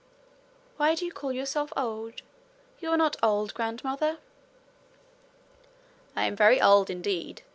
'Why do you call yourself old? You're not old, grandmother.' 'I am very old indeed.